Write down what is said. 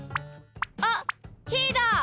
あっひーだ！